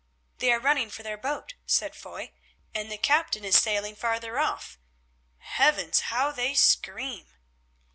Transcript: "They are running for their boat," said Foy, "and the captain is sailing farther off. Heavens! how they scream."